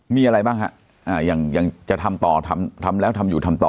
มีอะไรบ้างฮะอย่างจะทำต่อทำทำแล้วทำอยู่ทำต่อ